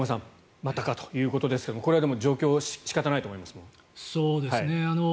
またかということですがこれは、でも状況、仕方ないと思います。